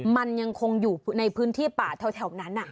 มันยังคงอยู่ในพื้นที่ป่าแถวนั้น